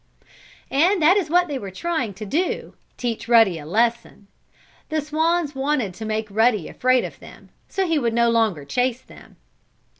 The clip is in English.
And that is what they were trying to do teach Ruddy a lesson. The swans wanted to make Ruddy afraid of them, so he would no longer chase them.